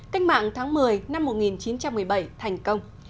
cách mạng tháng một mươi năm một nghìn chín trăm một mươi bảy thành công